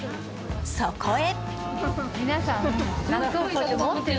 そこへ。